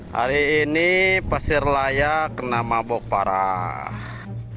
hari ini pasir layak nama bok parah